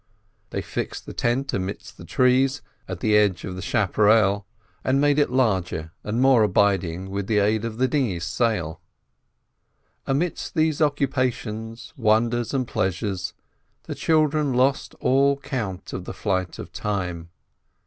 They fixed the tent amidst the trees at the edge of the chapparel, and made it larger and more abiding with the aid of the dinghy's sail. Amidst these occupations, wonders, and pleasures, the children lost all count of the flight of time.